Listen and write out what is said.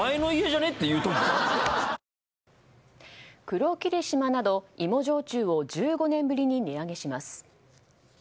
黒霧島など芋焼酎を１５年ぶりに値上げします。